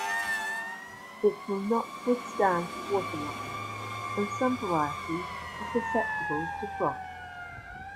It will not withstand waterlogging and some varieties are susceptible to frost.